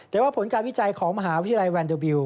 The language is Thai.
แต่ว่าผลการวิจัยของมหาวิทยาลัยแวนเดอร์บิล